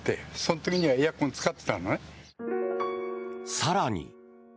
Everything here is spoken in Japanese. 更に。